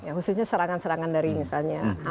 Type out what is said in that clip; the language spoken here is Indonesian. ya khususnya serangan serangan dari misalnya hamas atau